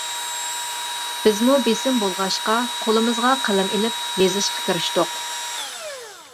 بىزمۇ بېسىم بولغاچقا قولىمىزغا قەلەم ئېلىپ يېزىشقا كىرىشتۇق.